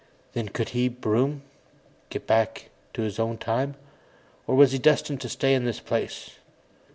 Then could he, Broom, get back to his own time, or was he destined to stay in this place?